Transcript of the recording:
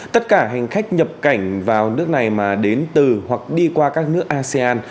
tất cả hành khách nhập cảnh vào nước này mà đến từ hoặc đi qua các nước asean